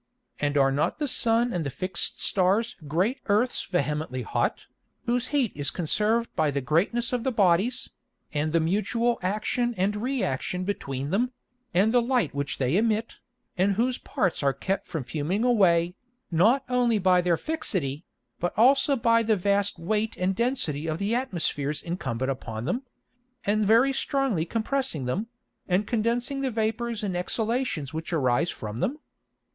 And are not the Sun and fix'd Stars great Earths vehemently hot, whose heat is conserved by the greatness of the Bodies, and the mutual Action and Reaction between them, and the Light which they emit, and whose parts are kept from fuming away, not only by their fixity, but also by the vast weight and density of the Atmospheres incumbent upon them; and very strongly compressing them, and condensing the Vapours and Exhalations which arise from them?